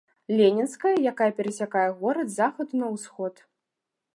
Ленінская, якая перасякае горад з захаду на ўсход.